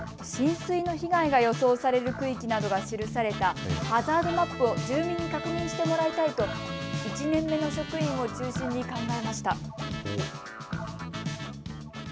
浸水の被害が予想される区域などが記されたハザードマップを住民に確認してもらいたいと１年目の職員を中心に考えました。